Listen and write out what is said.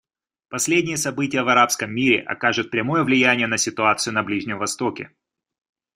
Последние события в арабском мире окажут прямое влияния на ситуацию на Ближнем Востоке.